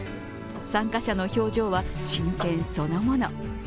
参加者の表情は真剣そのもの。